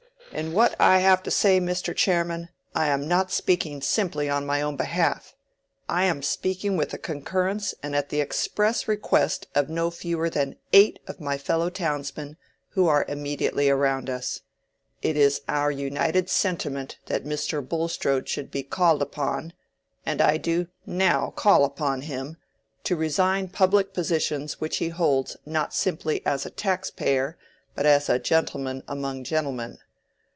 "In what I have to say, Mr. Chairman, I am not speaking simply on my own behalf: I am speaking with the concurrence and at the express request of no fewer than eight of my fellow townsmen, who are immediately around us. It is our united sentiment that Mr. Bulstrode should be called upon—and I do now call upon him—to resign public positions which he holds not simply as a tax payer, but as a gentleman among gentlemen.